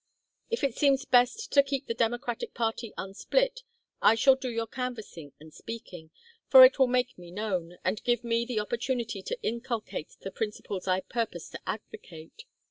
If it seems best to keep the Democratic party unsplit I shall do your canvassing and speaking, for it will make me known, and give me the opportunity to inculcate the principles I purpose to advocate.